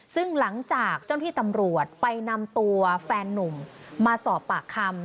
ซึ่งหลังจากเจ้าหน้าที่ตำรวจไปนำตัวแฟนนุ่มมาสอบปากคำ